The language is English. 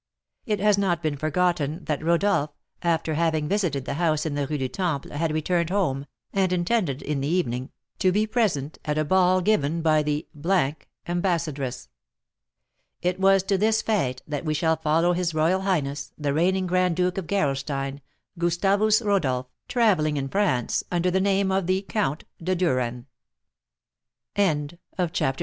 It has not been forgotten that Rodolph, after having visited the house in the Rue du Temple, had returned home, and intended, in the evening, to be present at a ball given by the ambassadress. It was to this fête that we shall follow his royal highness, the reigning Grand Duke of Gerolstein, Gustavus Rodolph, travelling in France under the name of the Count de Duren. CHAPTER XXVI.